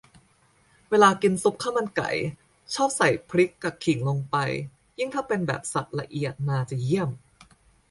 เวลากินซุปข้าวมันไก่ ชอบใส่พริกกะขิงลงไป ยิ่งถ้าเป็นแบบสับละเอียดมาจะเยี่ยม